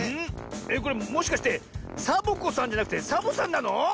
これもしかしてサボ子さんじゃなくてサボさんなの？